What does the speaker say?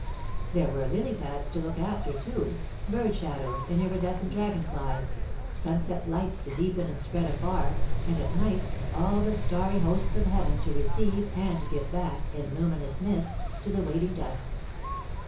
There were lily pads to look after, too, bird shadows and iridescent dragon flies, sunset lights to deepen and spread afar, and, at night, all the starry hosts of heaven to receive and give back, in luminous mist, to the waiting dusk.